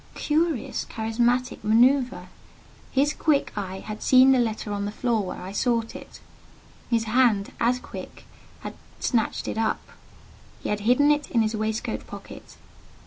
Curious, characteristic manoeuvre! His quick eye had seen the letter on the floor where I sought it; his hand, as quick, had snatched it up. He had hidden it in his waistcoat pocket.